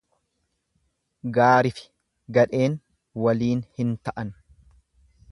Gaarifi gadheen waliin hin ta'ani.